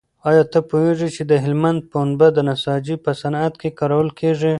ایا ته پوهېږې چې د هلمند پنبه د نساجۍ په صنعت کې کارول کېږي؟